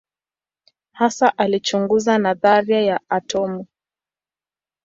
Hasa alichunguza nadharia ya atomu.